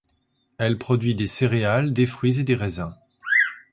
Elle produit des céréales, des fruits et des raisins.